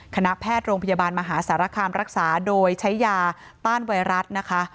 คณะแพทย์โรงพยาบาลมหาสารคามรักษาโดยใช้ยาต้านไวรัสนะคะ